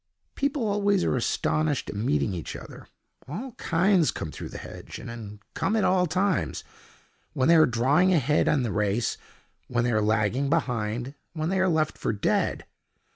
"People always are astonished at meeting each other. All kinds come through the hedge, and come at all times—when they are drawing ahead in the race, when they are lagging behind, when they are left for dead.